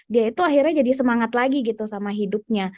dia itu akhirnya jadi semangat lagi gitu sama hidupnya